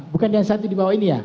bukan yang satu di bawah ini ya